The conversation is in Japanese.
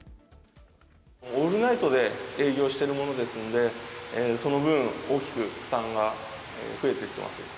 オールナイトで営業しているものですので、その分、大きく負担が増えてきます。